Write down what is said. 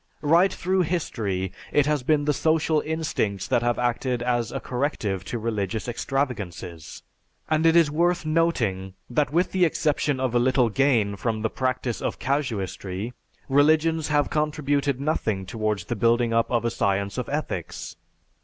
"Right through history it has been the social instincts that have acted as a corrective to religious extravagances. And it is worth noting that with the exception of a little gain from the practice of casuistry, religions have contributed nothing towards the building up of a science of ethics.